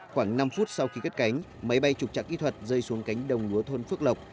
khoảng năm phút sau khi cất cánh máy bay trục trạc kỹ thuật rơi xuống cánh đồng lúa thôn phước lộc